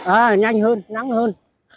à nhanh hơn nắng hơn